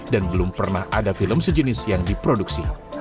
dan belum pernah ada film sejenis yang diproduksi